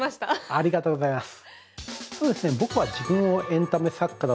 ありがとうございます。